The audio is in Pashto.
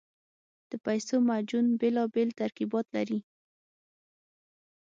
د پیسو معجون بېلابېل ترکیبات لري.